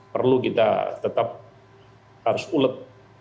perlu kita tetap harus ulet